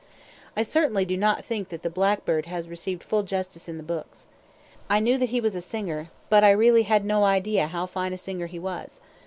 I certainly do not think that the blackbird has received full justice in the books. I knew that he was a singer, but I really had no idea how fine a singer he was.